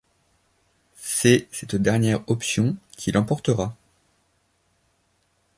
C'est cette dernière option qui l'emporta.